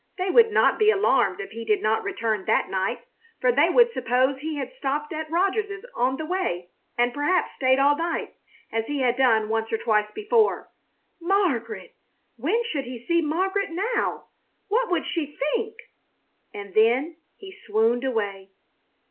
They would not be alarmed if he did not return that night, for they would suppose he had stopped at Rogers's on the way and perhaps stayed all night, as he had done once or twice before. Margaret! When should he see Margaret now? What would she think? And then he swooned away.